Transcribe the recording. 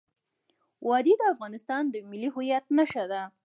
وادي د افغانستان د ملي هویت نښه ده.